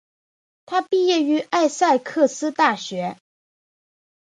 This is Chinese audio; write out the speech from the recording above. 他毕业于艾塞克斯大学。